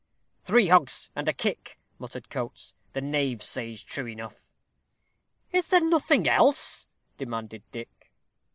"Three hogs and a kick," muttered Coates; "the knave says true enough." "Is there nothing else?" demanded Dick.